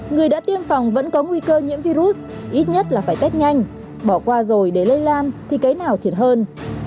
người đã tiêm phòng vẫn có nguy cơ nhiễm virus ít nhất là phải test nhanh bỏ qua rồi để lây lan thì cái nào thiệt hơn